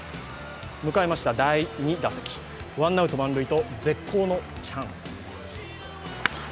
迎えました第２打席、ワンアウト満塁と絶好のチャンス。